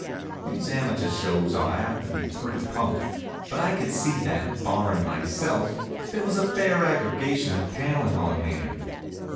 These amateur shows are apt to be pretty punk, but I could see that, barrin' myself, there was a fair aggregation of talent on hand.